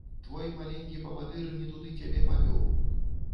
Твой маленькі павадыр не туды цябе павёў.